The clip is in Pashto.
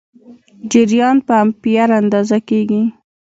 جریان په امپیر اندازه کېږي.